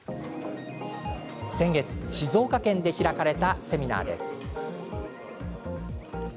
先月、静岡県で開かれたセミナーです。